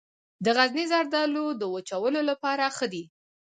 د غزني زردالو د وچولو لپاره ښه دي.